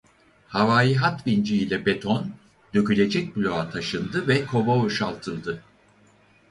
Havai hat vinci ile beton dökülecek bloğa taşındı ve kova boşaltıldı.